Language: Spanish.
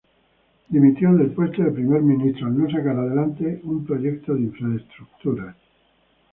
Dimitió del puesto de Primer Ministro al no sacar adelante un proyecto de infraestructuras.